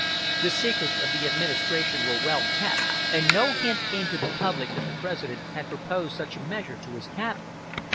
The secrets of the administration were well kept, and no hint came to the public that the President had proposed such a measure to his cabinet.